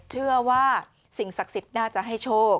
เชื่อว่าสิ่งศักดิ์สิทธิ์น่าจะให้โชค